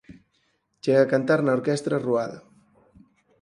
Chega a cantar na Orquestra Ruada.